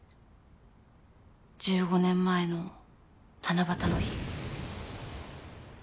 １５年前の七夕の日。